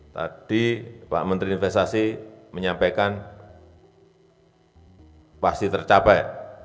tadi pak menteri investasi menyampaikan pasti tercapai